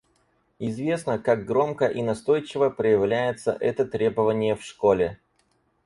Известно, как громко и настойчиво проявляется это требование в школе.